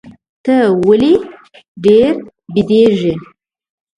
ته ولي ډېر بیدېږې؟